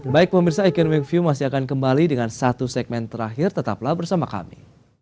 baik pemirsa economic view masih akan kembali dengan satu segmen terakhir tetaplah bersama kami